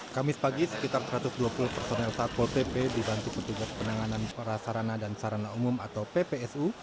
kami sepagi sekitar tiga ratus dua puluh personel satpol pp dibantu ketujuh penanganan para sarana dan sarana umum atau ppsu